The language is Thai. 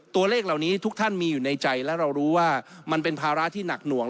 ตัวเลขเหล่านี้ทุกท่านมีอยู่ในใจและเรารู้ว่ามันเป็นภาระที่หนักหน่วง